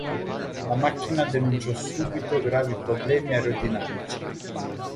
La macchina denunciò subito gravi problemi aerodinamici.